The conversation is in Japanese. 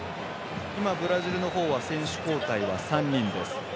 今、ブラジルの方は選手交代は３人です。